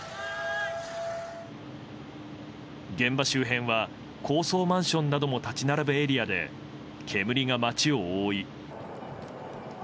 現場周辺は高層マンションなども立ち並ぶエリアで煙が街を覆い。